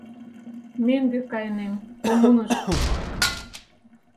— Мӧҥгӧ кайынем, коммуныш.